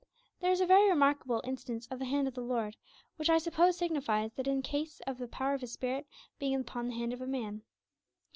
There is a very remarkable instance of the hand of the Lord, which I suppose signifies in that case the power of His Spirit, being upon the hand of a man.